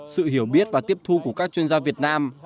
sự hiểu biết và tiếp thu của các chuyên gia việt nam